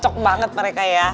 cocok banget mereka ya